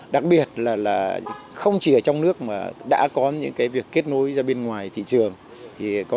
đặc biệt là không chỉ ở trong nước mà đã có những cái việc kết nối ra bên ngoài thị trường thì có